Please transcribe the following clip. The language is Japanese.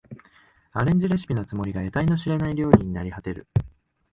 アレンジレシピのつもりが得体の知れない料理になりはてる